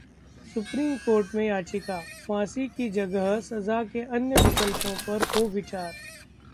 supreme Court में याचिका: फांसी की जगह सजा के अन्य विकल्पों पर हो विचार